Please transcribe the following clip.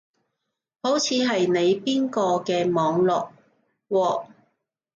好似係你嗰邊嘅網絡喎